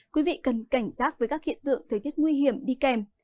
quý vị cần cảnh giác với các hiện tượng thời tiết nguy hiểm đi kèm